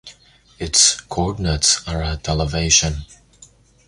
Its coordinates are at elevation.